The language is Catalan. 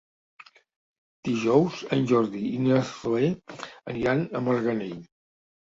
Dijous en Jordi i na Zoè aniran a Marganell.